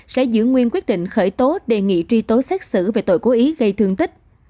sẽ giữ nguyên quyết định khởi tố đề nghị truy tố xét xử về tội cố ý gây thương tích